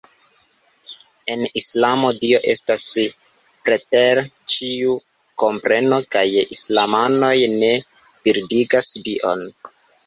En Islamo, Dio estas preter ĉiu kompreno kaj islamanoj ne bildigas Dion.